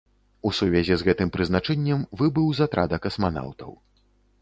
У сувязі з гэтым прызначэннем выбыў з атрада касманаўтаў.